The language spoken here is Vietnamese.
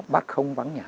bác không vắng nhà